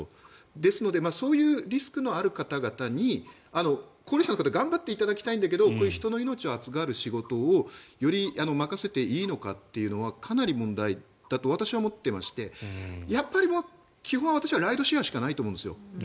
ですのでそういうリスクのある方々に高齢者の方には頑張っていただきたいんだけど人の命を預かる仕事をよりまかせていいのかというのはかなり問題だと私は思っていましてやっぱり基本は私はライドシェアしかないと思うんですよ。